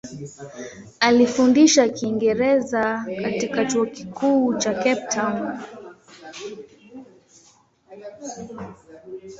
Alifundisha Kiingereza katika Chuo Kikuu cha Cape Town.